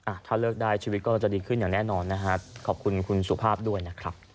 ถ้าเลิกได้ชีวิตก็จะดีขึ้นอย่างแน่นอนนะฮะขอบคุณคุณสุภาพด้วยนะครับ